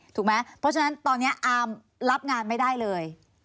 ถูกไหมเพราะฉะนั้นตอนนี้อาร์มรับงานไม่ได้เลย